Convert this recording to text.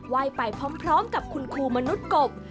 ว่ายไปพร้อมกับคุณครูมนุษย์กบ